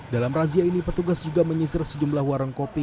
dalam razia ini petugas juga menyisir sejumlah warung kopi